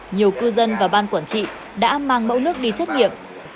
nhiều cư dân và ban quản trị đã mang mẫu nước đi xét nghiệm